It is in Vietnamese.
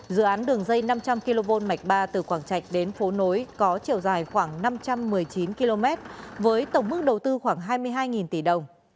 dự án đường dây năm trăm linh kv mạch ba từ quảng trạch đến phố nối có chiều dài khoảng năm trăm một mươi chín km với tổng mức đầu tư khoảng hai mươi hai tỷ đồng